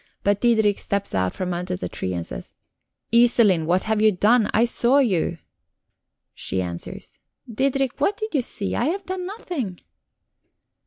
But Diderik steps out from under the tree and says: "Iselin, what have you done? I saw you." She answers: "Diderik, what did you see? I have done nothing."